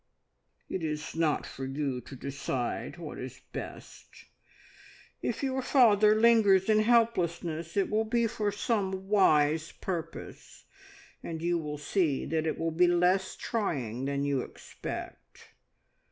"It is not for you to decide what is best. If your father lingers in helplessness, it will be for some wise purpose, and you will see that it will be less trying than you expect.